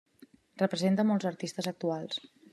Representa molts artistes actuals.